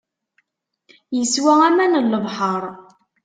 Yeswa aman n lebḥeṛ.